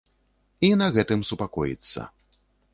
І на гэтым супакоіцца.